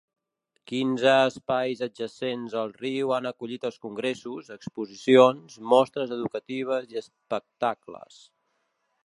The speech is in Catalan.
Quinze espais adjacents al riu han acollit els congressos, exposicions, mostres educatives i espectacles.